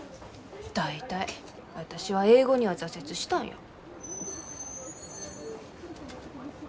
大体私は英語には挫折したんや。